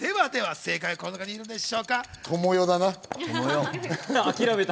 正解、この中にいるんでしょうか。